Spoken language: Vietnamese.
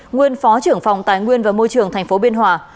nguyên phó trưởng phòng tài nguyên và môi trường tp biên hòa